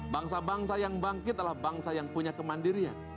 bangsa bangsa yang bangkit adalah bangsa yang punya kemandirian